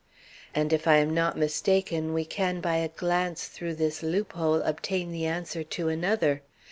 "And if I am not mistaken, we can by a glance through this loophole obtain the answer to another.